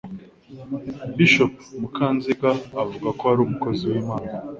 Bishop Mukanziga avuga ko ari umukozi w'Imana